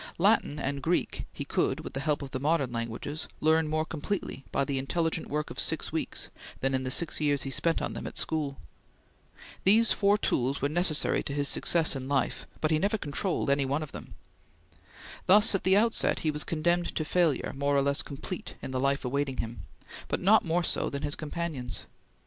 Latin and Greek, he could, with the help of the modern languages, learn more completely by the intelligent work of six weeks than in the six years he spent on them at school. These four tools were necessary to his success in life, but he never controlled any one of them. Thus, at the outset, he was condemned to failure more or less complete in the life awaiting him, but not more so than his companions.